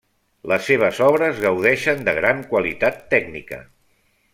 Les seves obres gaudeixen de gran qualitat tècnica.